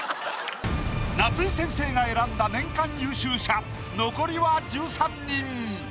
夏井先生が選んだ年間優秀者残りは１３人。